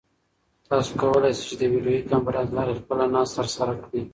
تاسو کولای شئ چې د ویډیویي کنفرانس له لارې خپله ناسته ترسره کړئ.